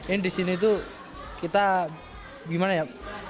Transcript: ini di sini tuh kita gimana ya